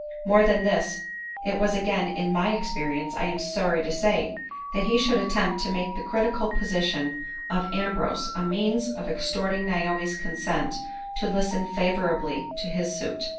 More than this, it was again in my experience, I am sorry to say, that he should attempt to make the critical position of Ambrose a means of extorting Naomi's consent to listen favorably to his suit.